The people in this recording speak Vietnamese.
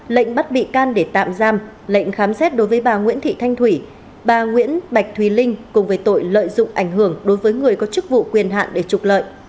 lệnh bắt bị can để tạm giam lệnh khám xét đối với bà nguyễn thị thanh thủy bà nguyễn bạch thùy linh cùng với tội lợi dụng ảnh hưởng đối với người có chức vụ quyền hạn để trục lợi